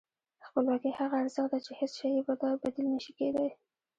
خپلواکي هغه ارزښت دی چې هېڅ شی یې بدیل نه شي کېدای.